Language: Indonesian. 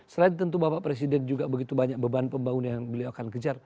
selain tentu bapak presiden juga begitu banyak beban pembangunan yang beliau akan kejar